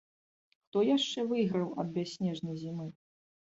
Хто яшчэ выйграў ад бясснежнай зімы?